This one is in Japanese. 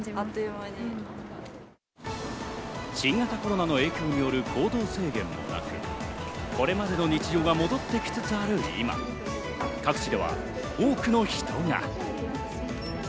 新型コロナの影響による行動制限もなく、これまでの日常が戻ってきつつある今、各地では多くの人が。